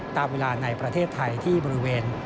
ตามเวลาในประเทศไทยที่บริเวณ